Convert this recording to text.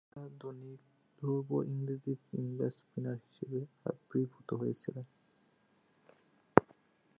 আধুনিককালের দুর্লভ ইংরেজ finger spinner হিসেবে আবির্ভূত হয়েছিলেন।